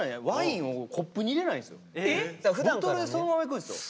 ボトルでそのままいくんすよ。